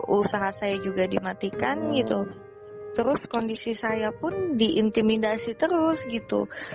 usaha saya juga dimatikan gitu terus kondisi saya pun diintimidasi terus gitu